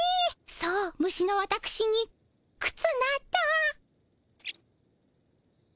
そう虫のわたくしにくつなど。